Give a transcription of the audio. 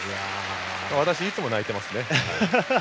私いつも泣いてますね。